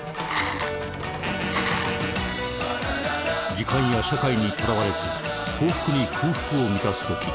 時間や社会にとらわれず幸福に空腹を満たすとき